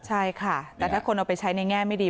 ใช่ค่ะแต่ถ้าคนเอาไปใช้ในแง่ไม่ดี